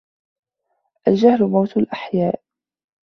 الجهل موت الأحياء